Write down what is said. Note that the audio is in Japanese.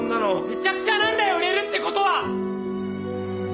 めちゃくちゃなんだよ売れるって事は！